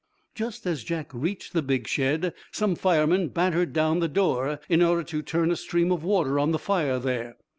Just as Jack reached the big shed some firemen battered down the door in order to turn a stream of water on the fire there.